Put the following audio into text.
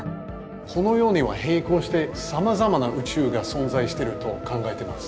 この世には平行してさまざまな宇宙が存在してると考えてます。